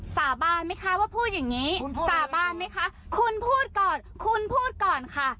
สาบานไหมคะคุณพูดก่อนคุณพูดก่อนค่ะ